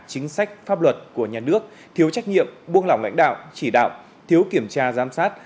chính sách pháp luật của nhà nước thiếu trách nhiệm buông lỏng lãnh đạo chỉ đạo thiếu kiểm tra giám sát